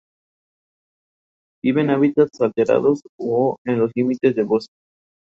Pertenece al krai de Krasnodar de Rusia.